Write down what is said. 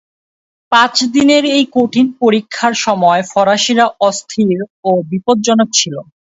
পাঁচ দিনের এই কঠিন পরীক্ষার সময় ফরাসিরা অস্থির ও বিপদজনক ছিল।